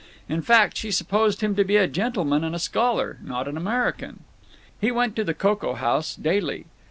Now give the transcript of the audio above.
In fact, she supposed him to be a gentleman and scholar, not an American. He went to the cocoa house daily.